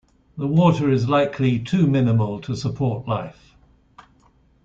The water is likely too minimal to support life.